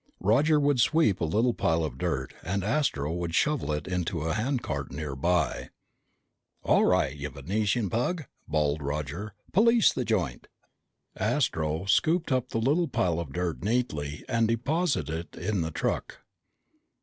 Roger would sweep up a little pile of dirt and Astro would shovel it into a handcart nearby. "All right, you Venusian pug!" bawled Roger. "Police the joint!" Astro scooped up the little pile of dirt neatly and deposited it in the truck.